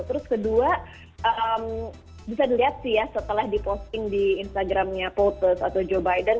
terus kedua bisa dilihat sih ya setelah diposting di instagramnya pouters atau joe biden